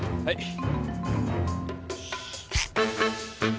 はい。